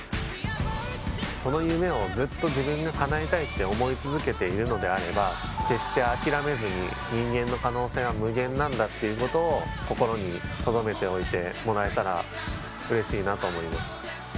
その夢をずっと自分でかなえたいと思い続けているのであれば決して諦めずに、人間の可能性は無限なんだっていうことを心にとどめておいてもらえたらうれしいなと思います。